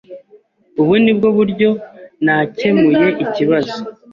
Ubu ni bwo buryo nakemuye ikibazo.